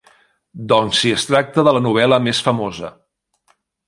Doncs si es tracta de la novel·la més famosa.